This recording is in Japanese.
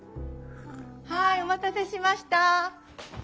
はいお待たせしました。